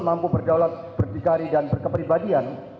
mampu berdaulat berdikari dan berkeperibadian